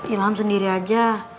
ilham sendiri aja